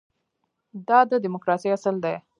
دا د ډیموکراسۍ اصل دی.